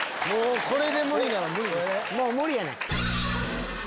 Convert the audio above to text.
これで無理なら無理です。